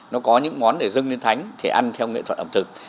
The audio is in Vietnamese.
nó có những món để dâng lên thánh thì ăn theo nghệ thuật ẩm thực